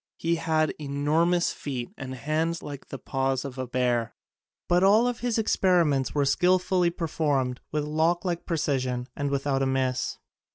He haid enormous feet and hands like the paws of a bear, but all of his experiments were skillfully per formed with clock like precision and with out a miss.